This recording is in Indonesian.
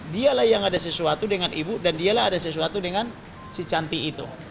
dialah yang ada sesuatu dengan ibu dan dialah ada sesuatu dengan si cantik itu